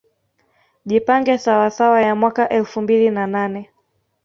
Jipange Sawasawa ya mwaka elfu mbili na nane